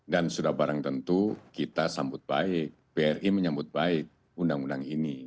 dan sudah barang tentu kita sambut baik bri menyambut baik undang undang ini